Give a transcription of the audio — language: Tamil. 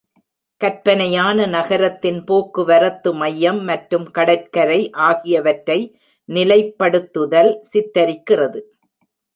கற்பனையான நகரத்தின் போக்குவரத்து மையம் மற்றும் கடற்கரை ஆகியவற்றை நிலைப்படுத்துதல் சித்தரிக்கிறது.